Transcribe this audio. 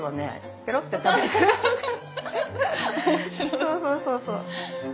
そうそうそうそう。